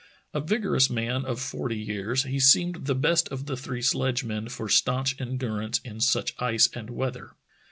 A vigorous man of forty years, he seemed the best of the three sledgemen for stanch endurance in such ice and weather.